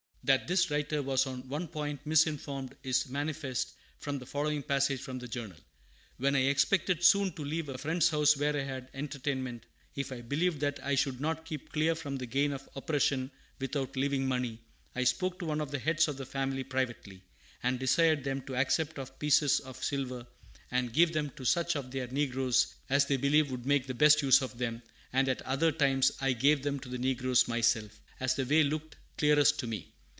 That this writer was on one point misinformed is manifest from the following passage from the Journal: "When I expected soon to leave a friend's house where I had entertainment, if I believed that I should not keep clear from the gain of oppression without leaving money, I spoke to one of the heads of the family privately, and desired them to accept of pieces of silver, and give them to such of their negroes as they believed would make the best use of them; and at other times I gave them to the negroes myself, as the way looked clearest to me.